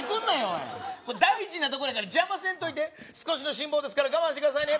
おい大事なとこだから邪魔せんといて少しの辛抱ですから我慢してくださいね